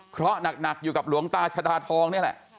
เพราะหนักอยู่กับหลวงตาชดาทองนี่แหละ